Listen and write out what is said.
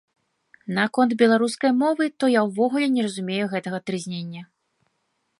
Наконт беларускай мовы, то я ўвогуле не разумею гэтага трызнення.